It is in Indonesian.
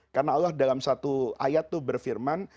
karena allah dalam satu ayat itu berfirman